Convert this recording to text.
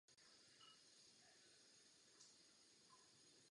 Napsal učebnice angličtiny.